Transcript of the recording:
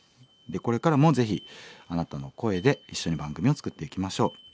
これからもぜひあなたの声で一緒に番組を作っていきましょう。